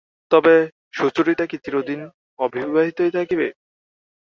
তবে সুচরিতা কি চিরদিন অবিবাহিতই থাকিবে?